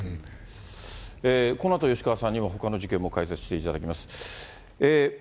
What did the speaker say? このあと吉川さんにはほかの事件も解説していただきます。